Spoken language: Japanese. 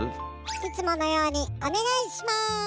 いつものようにおねがいしまーす。